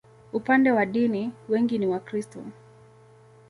Upande wa dini, wengi ni Wakristo.